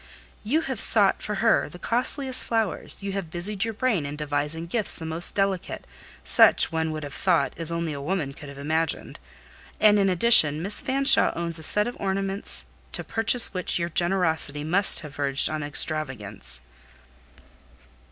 You have sought for her the costliest flowers; you have busied your brain in devising gifts the most delicate: such, one would have thought, as only a woman could have imagined; and in addition, Miss Fanshawe owns a set of ornaments, to purchase which your generosity must have verged on extravagance."